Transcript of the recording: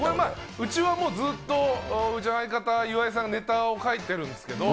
うちはもう、ずっとうちの相方、岩井さんがネタを書いてるんですけど。